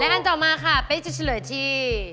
อันต่อมาค่ะเป๊กจะเฉลยที่